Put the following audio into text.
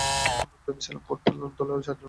ভেবেছিলাম ফুটবল দলের চারজনকে খুঁজে পেয়েছি।